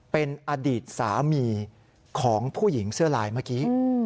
เป็นอดีตสามีของผู้หญิงเสื้อลายเมื่อกี้